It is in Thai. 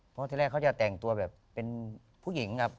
เพราะที่แรกเขาจะแต่งตัวแบบเป็นผู้หญิงครับ